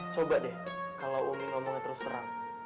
coba deh kalau umi ngomongnya terus terang